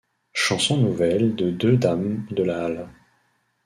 Chanson nouvelle de deux dames de la halle...